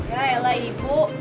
ya elah ibu